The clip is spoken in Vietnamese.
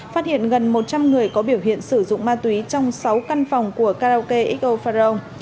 phát hiện gần một trăm linh người có biểu hiện sử dụng ma túy trong sáu căn phòng của karaoke xo farong